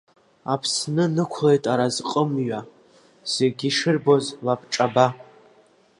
Аԥсны нықәлеит аразҟы мҩа, зегьы ишырбоз лабҿаба…